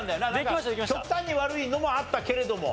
極端に悪いのもあったけれども。